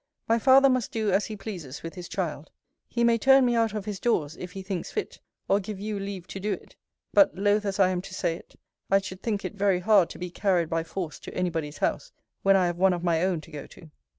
My father must do as he pleases with his child. He may turn me out of his doors, if he thinks fit, or give you leave to do it; but (loth as I am to say it) I should think it very hard to be carried by force to any body's house, when I have one of my own to go to.